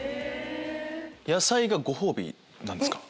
野菜がご褒美ですか。